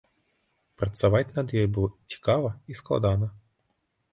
Працаваць над ёй было цікава і складана.